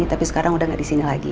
tapi sekarang udah gak disini lagi